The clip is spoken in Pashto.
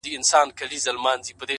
• د سړک په پای کي ,